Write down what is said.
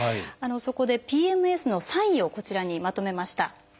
そこでＰＭＳのサインをこちらにまとめました。